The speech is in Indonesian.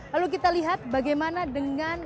lalu kita lihat bagaimana dengan